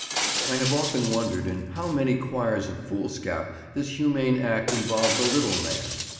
I have often wondered in how many quires of foolscap this humane act involved the little man.